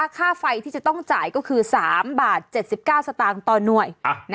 ค่าไฟที่จะต้องจ่ายก็คือ๓บาท๗๙สตางค์ต่อหน่วย